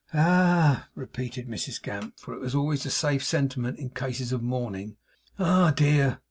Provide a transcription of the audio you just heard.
'Ah!' repeated Mrs Gamp; for it was always a safe sentiment in cases of mourning. 'Ah dear!